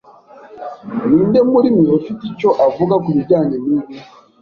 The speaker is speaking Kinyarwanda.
Ninde muri mwe ufite icyo avuga kubijyanye nibi?